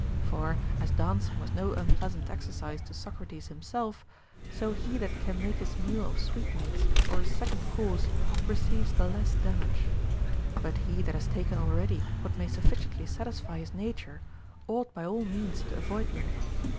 For, as dancing was no unpleasant exercise to Socrates himself, so he that can make his meal of sweetmeats or a second course receives the less damajre. But he that has taken already what may sufficiently satisfy his nature ought by all means to avoid them.